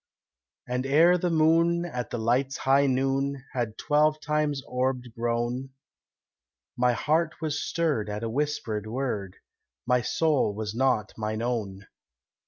And ere the moon at the night's high noon Had twelve times orbed grown, My heart was stirred at a whispered word, My soul was not mine own.